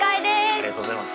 ありがとうございます。